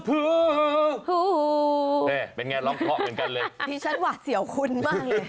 เป็นไงร้องเพลงเหมือนกันเลยพี่ฉันหว่าเสี่ยวคุณมากเลย